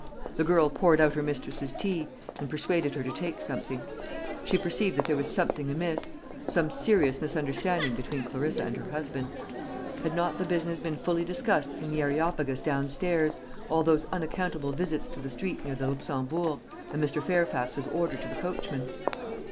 The girl poured out her mistress's tea, and persuaded her to take something. She perceived that there was something amiss, some serious misunderstanding between Clarissa and her husband. Had not the business been fully discussed in the Areopagus downstairs, all those unaccountable visits to the street near the Luxembourg, and Mr. Fairfax's order to the coachman?